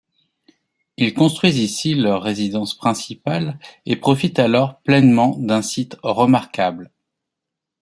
Ils construisent ici leurs résidences principales et profitent alors pleinement d'un site remarquable.